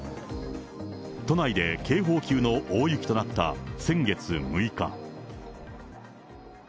都内で警報級の大雪となった先月６日。